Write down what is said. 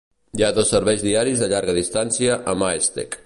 Hi ha dos serveis diaris de llarga distància a Maesteg.